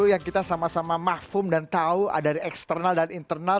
yang kita sama sama makfum dan tahu dari eksternal dan internal